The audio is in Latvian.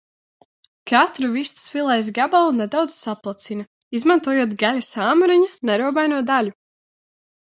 Katru vistas filejas gabalu nedaudz saplacina, izmantojot gaļas āmuriņa nerobaino daļu.